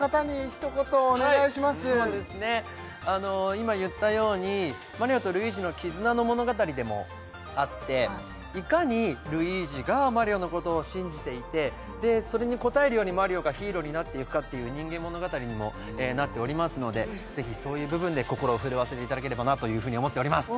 今言ったようにマリオとルイージの絆の物語でもあっていかにルイージがマリオのことを信じていてでそれに応えるようにマリオがヒーローになっていくかっていう人間物語にもなっておりますのでぜひそういう部分で心を震わせていただければなというふうに思っております